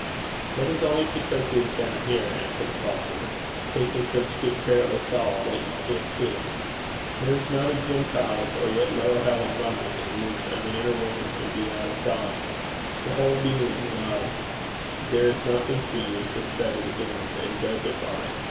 'That is only because he is down here,' answered Falconer, 'taking such good care of us all that you can't see him. There is not a gin palace, or yet lower hell in London, in which a man or woman can be out of God. The whole being love, there is nothing for you to set it against and judge it by.